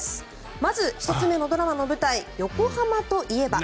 まず、１つ目ドラマの舞台、横浜といえば。